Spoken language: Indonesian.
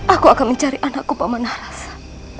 aku akan mencari anakku pak manah rasa